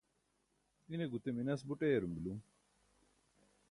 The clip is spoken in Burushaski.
ine gute minas buṭ eyarum bila